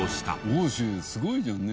奥州すごいじゃんね！